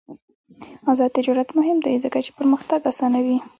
آزاد تجارت مهم دی ځکه چې پرمختګ اسانوي.